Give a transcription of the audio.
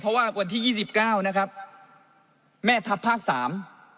เพราะว่าวันที่ยี่สิบเก้านะครับแม่ทัพภาคสาม